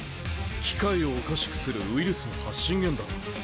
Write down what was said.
機械をおかしくするウイルスの発信源だろ？